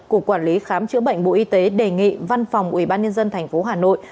cục quản lý khám chữa bệnh bộ y tế đề nghị văn phòng ubnd tp hà nội